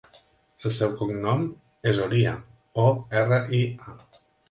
El seu cognom és Oria: o, erra, i, a.